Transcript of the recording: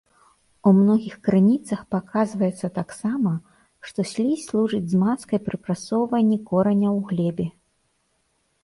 У многіх крыніцах паказваецца таксама, што слізь служыць змазкай пры прасоўванні кораня ў глебе.